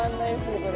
これ。